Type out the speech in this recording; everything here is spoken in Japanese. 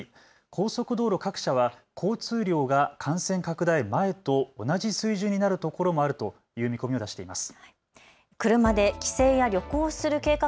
高速道路各社は交通量が感染拡大前と同じ水準になるところもあるという見込みを出しています。